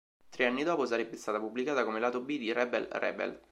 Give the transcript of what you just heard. Tre anni dopo sarebbe stata pubblicata come lato B di "Rebel Rebel".